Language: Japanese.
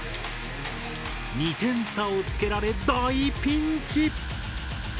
２点差をつけられ大ピンチ！